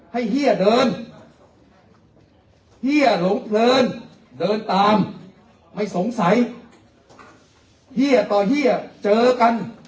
เฮียเดินเฮียหลงเพลินเดินตามไม่สงสัยเฮียต่อเฮียเจอกัน